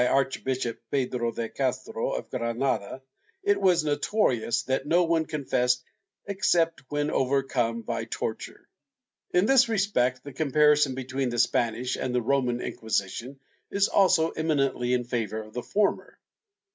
VII] MORE MODERATE THAN IN ROME 3 Archbishop Pedro de Castro of Granada, it was notorious that no one confessed except when overcome by torture.^ In this respect, the comparison between the Spanish and the Roman Inquisition is also eminently in favor of the former.